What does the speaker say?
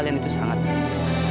kamu itu sangatnya jer cold